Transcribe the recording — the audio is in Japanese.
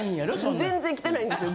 全然来てないんですよ。